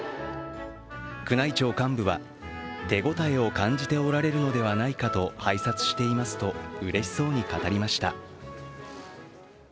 宮内庁幹部は、手応えを感じておられるのではないかと、拝察していますとうれしそうに語りました。